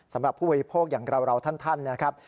สำหรับผู้บริโภคอย่างเราท่านนะครับ